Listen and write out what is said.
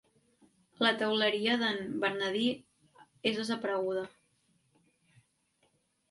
La Teuleria d'en Bernadí és desapareguda.